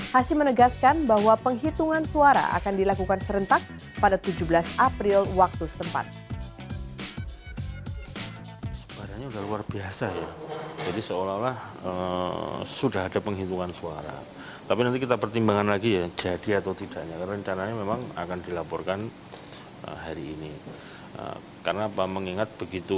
hashim menegaskan bahwa penghitungan suara akan dilakukan serentak pada tujuh belas april waktu setempat